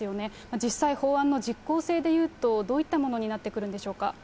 実際、法案の実効性でいうと、どういったものになってくるんでしょうか。